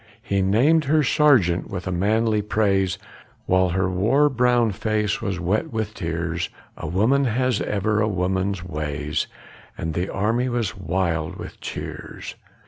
He named her sergeant with manly praise, While her war brown face was wet with tears A woman has ever a woman's ways, And the army was wild with cheers.